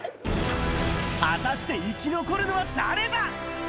果たして生き残るのは誰だ？